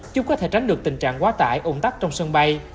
chúc có thể tránh được tình trạng quá tải ủng tắc trong sân bay